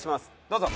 どうぞ。